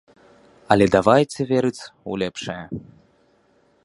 Але давайце верыць у лепшае!